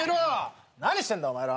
何してんだお前ら。